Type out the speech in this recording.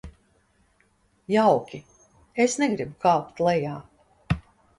Jauki, es negribu kāpt lejā.